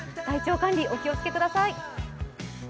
体調管理、お気をつけください。